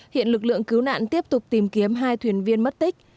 hiện lực lượng cứu nạn tiếp tục tìm kiếm hai thuyền viên mất tích